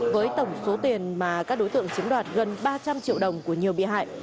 với tổng số tiền mà các đối tượng chiếm đoạt gần ba trăm linh triệu đồng của nhiều bị hại